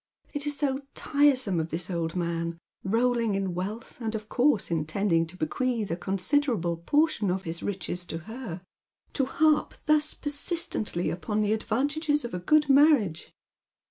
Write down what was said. It is 80 tiresome of this old man — rolling in wealth, and of course intending to bequeath a considerable portion of his liches to her — to harp thus persistently upon the advantages of a good man iage.